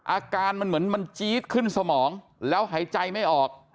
อาการมันเหมือนมันจี๊ดขึ้นสมองแล้วหายใจไม่ออก